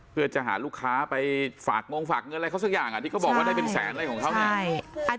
เพื่อจะหาลูกค้าไปฝากงงฝากเงินอะไรเขาสักอย่างที่เขาบอกว่าได้เป็นแสนอะไรของเขาเนี่ย